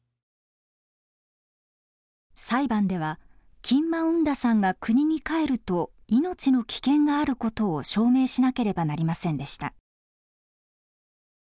裁判ではキン・マウン・ラさんが国に帰ると命の危険があることを証明しなければなりませんでした。